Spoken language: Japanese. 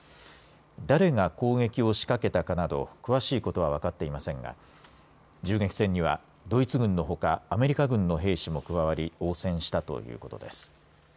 誰が攻撃を仕掛けたかなど詳しいことは分かっていませんが銃撃戦には、ドイツ軍のほかアメリカ軍の兵士も加わり応戦したということです。